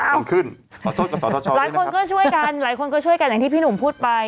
หลายคนก็ช่วยกันหลายคนก็ช่วยกันอย่างที่พี่หนุ่มพูดไป